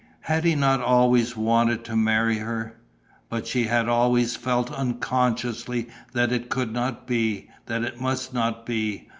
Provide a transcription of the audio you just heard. Had he not always wanted to marry her? But she had always felt unconsciously that it could not be, that it must not be.